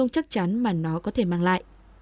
chắc chắn mà nó có thể mang lại